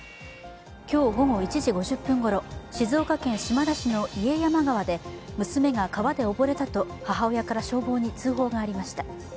今日午後１時５０分ごろ、静岡県島田市の家山川で娘が川で溺れたと母親から消防に通報がありました。